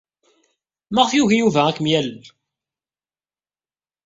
Maɣef ay yugi Yuba ad kem-yalel?